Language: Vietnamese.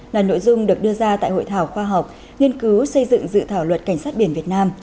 là nội dung được đưa ra tại hội thảo khoa học nghiên cứu xây dựng dự thảo luật cảnh sát biển việt nam